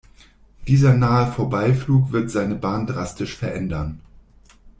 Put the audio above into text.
Dieser nahe Vorbeiflug wird seine Bahn drastisch verändern.